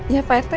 ya pak rt